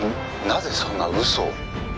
なぜそんな嘘を？」